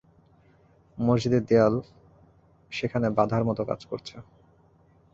মসজিদের দেয়াল সেখানে বাধার মতো কাজ করছে।